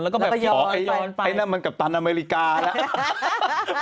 อ๋อไอ้นั่นมันกัปตันอเมริกาละ